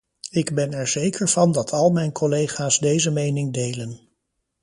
Ik ben er zeker van dat al mijn collega's deze mening delen.